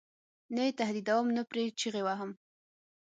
نه یې تهدیدوم نه پرې چغې وهم.